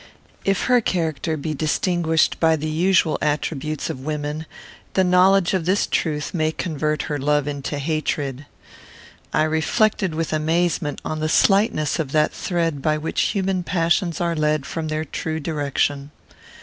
If her character be distinguished by the usual attributes of women, the knowledge of this truth may convert her love into hatred. I reflected with amazement on the slightness of that thread by which human passions are led from their true direction.